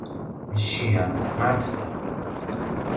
მშია მართლა